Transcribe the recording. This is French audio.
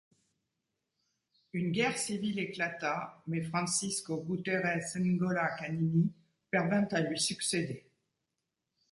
Une guerre civile éclata mais Francisco Guterres Ngola Kanini parvint à lui succéder.